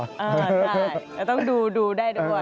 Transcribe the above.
เออใช่ต้องดูดูได้ด้วย